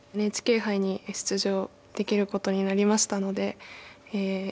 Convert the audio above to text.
ＮＨＫ杯に出場できることになりましたのでえ